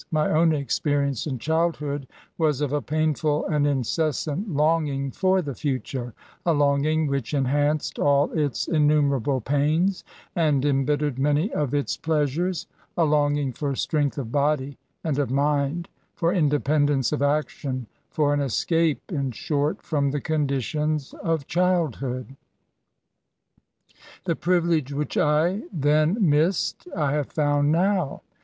My own experience in child hood was of a painful and incessant longing for the future — a longing which enhanced aU its innumerable pains^ and embittered many of its pleasures — ^a longing for strength of body and of mind^ for independence of action — for an escape, in shorty from the conditions of childhood. The priyilege which I then missed I have found now.